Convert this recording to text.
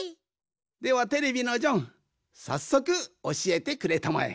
ではテレビのジョンさっそくおしえてくれたまえ。